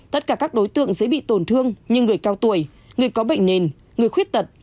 tất cả các đối tượng dễ bị tổn thương như người cao tuổi người có bệnh nền người khuyết tật